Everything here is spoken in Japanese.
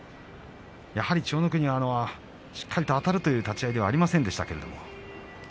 やはり千代の国しっかりとあたるという立ち合いではありませんでした。